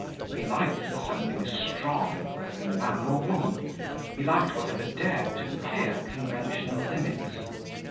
He liked something strong, whether in man or woman; he liked whatever dared to clear conventional limits.